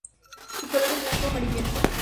Su color es blanco amarillento.